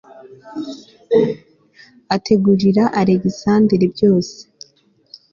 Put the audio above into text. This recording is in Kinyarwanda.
ategurira alegisanderi byose